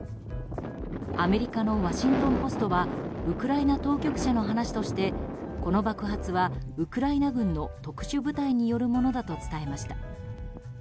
アメリカのワシントン・ポストはウクライナ当局者の話としてこの爆発はウクライナ軍の特殊部隊によるものだと伝えました。